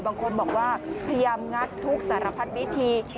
บางคนบอกว่าพยายามงัดทุกสารพัดวิธี